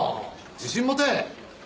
自信持て！